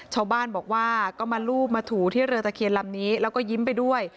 ชาวบ้านบอกว่าก็มารูปมาถูที่เรือตะเคียนลำนี้แล้วก็ยิ้มไปด้วย